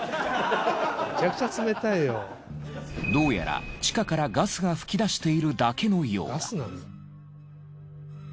どうやら地下からガスが噴き出しているだけのようだ。